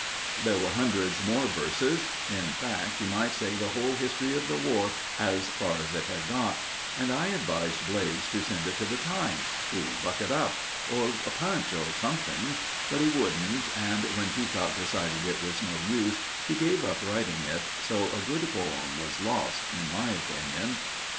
There were hundreds more verses in fact, you might say the whole history of the War as far as it had got; and I advised Blades to send it to The Times to buck it up or Punch, or something; but he wouldn't, and when Peacock decided it was no use, he gave up writing it, so a good poem was lost, in my opinion.